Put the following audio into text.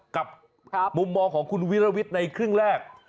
กับมุมมองของคุณวิรวิทย์ในครึ่งแรก